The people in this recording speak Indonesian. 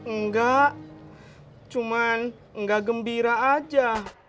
enggak cuma nggak gembira aja